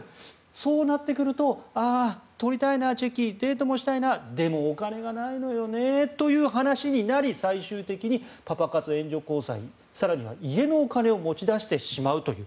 そうなってくると撮りたいな、チェキデートもしたいなでもお金がないのよねという話になり最終的にパパ活、援助交際更には家のお金を持ち出してしまうという。